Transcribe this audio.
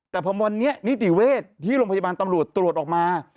แต่พอวันนี้นิติเวชที่โรงพยาบาลตำรวจตรวจออกมา